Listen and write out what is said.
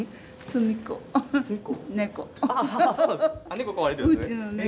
猫飼われてるんですね。